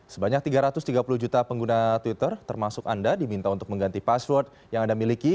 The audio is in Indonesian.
sebanyak tiga ratus tiga puluh juta pengguna twitter termasuk anda diminta untuk mengganti password yang anda miliki